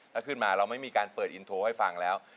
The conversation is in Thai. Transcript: ถ้าขึ้นมาเราไม่มีการเปิดอินโทรให้ฟังแล้ว